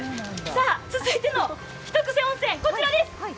続いてのひとクセ温泉はこちらです。